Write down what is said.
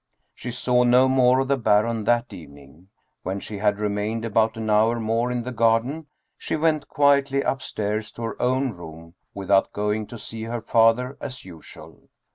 She saw no more of the Baron that evening. When she had remained about an hour more in the garden she went quietly upstairs to her own room without going to see her father as usual.